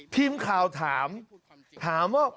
พิมพ์ค่าวถามถามว่า